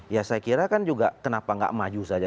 ya saya kira kan juga kenapa nggak maju saja